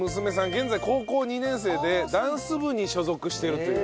現在高校２年生でダンス部に所属しているという。